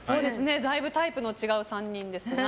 だいぶタイプの違う３人ですが。